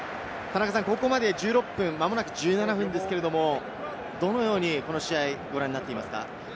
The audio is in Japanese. ここまで１６分、間もなく１７分ですけれど、どのようにこの試合ご覧になっていますか？